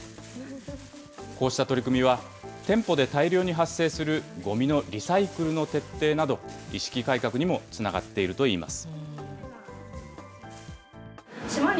こうした取り組みは店舗で大量に発生するごみのリサイクルの徹底など、意識改革にもつながっているといいます。